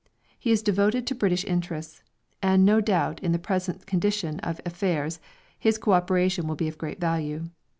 He is devoted to British interests, and no doubt in the present condition of affairs his co operation will be of great value.